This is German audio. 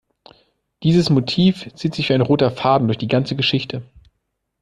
Dieses Motiv zieht sich wie ein roter Faden durch die ganze Geschichte.